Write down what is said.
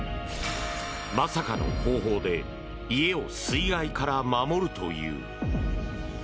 まさかの方法で家を水害から守るという。